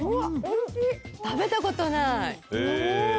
・・食べたことない・すごい。